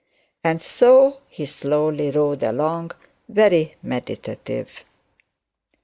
And so he slowly rode along very meditative.